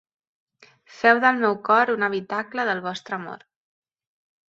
Feu del meu cor un habitacle del vostre amor.